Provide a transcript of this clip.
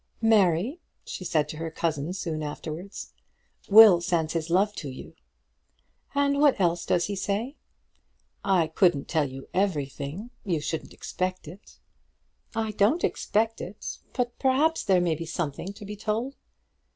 "Mary," she said to her cousin soon afterwards, "Will sends his love to you." "And what else does he say?" "I couldn't tell you everything. You shouldn't expect it." "I don't expect it; but perhaps there may be something to be told."